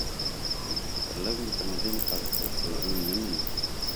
پر لږ متمدنو خلکو تېري نه مني.